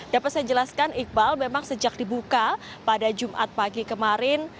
dapat saya jelaskan iqbal memang sejak dibuka pada jumat pagi kemarin